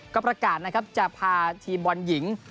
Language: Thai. ก็ประกาศนะครับจะพาทีมบอลหญิง